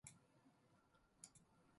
積分